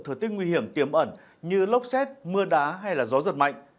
thời tiết nguy hiểm tiềm ẩn như lốc xét mưa đá hay gió giật mạnh